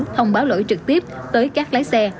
thông báo lỗi trực tiếp tới các lái xe